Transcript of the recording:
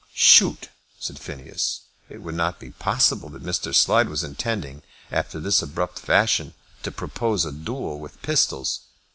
"Shoot!" said Phineas. It could not be possible that Mr. Slide was intending, after this abrupt fashion, to propose a duel with pistols.